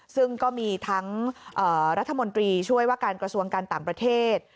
ซึ่งก็มีทั้งรัฐมนตรีช่วยว่าการกระทรวงการต่างประเทศ